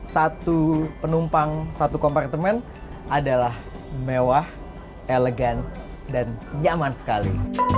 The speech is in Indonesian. satu penumpang satu kompartemen adalah mewah elegan dan nyaman sekali